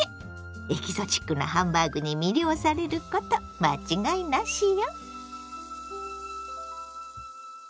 エキゾチックなハンバーグに魅了されること間違いなしよ。